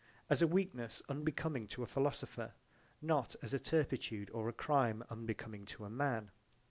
As a weakness unbecoming to a philosopher, not as a turpitude or a crime unbecoming to a man.